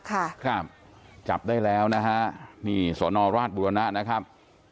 ตำรวจสรราชบุรณะจับได้แล้วนะครับนี่สรราชบุรณะนะครับ